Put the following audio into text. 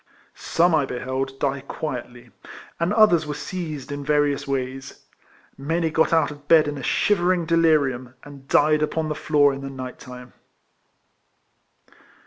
Some I beheld die quietly, and others were seized in various ways. Many got out of bed in a shivering delirium, and died upon the floor in the night time.